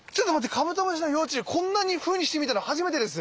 カブトムシの幼虫こんなふうにして見たの初めてです。